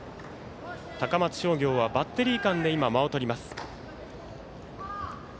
高松商業はバッテリー間で今、間をとります。